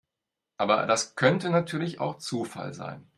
Aber das könnte natürlich auch Zufall sein.